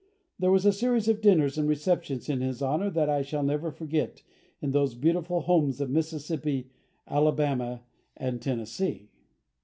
There was a series of dinners and receptions in his honour that I shall never forget, in those beautiful homes of Mississippi, Alabama, and Tennessee.